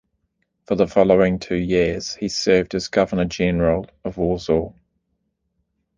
For the following two years he served as Governor-general of Warsaw.